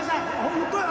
本当や。